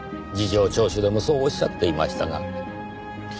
事情聴取でもそうおっしゃっていましたが。